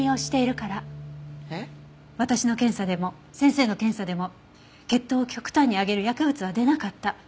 私の検査でも先生の検査でも血糖を極端に上げる薬物は出なかった。